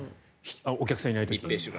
お客さんいない時。